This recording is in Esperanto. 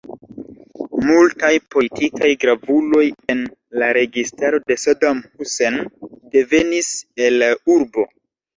Multaj politikaj gravuloj en la registaro de Saddam Hussein devenis el la urbo.